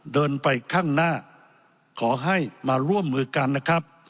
เดินไปข้างหน้าขอให้มาร่วมมือกันนะครับ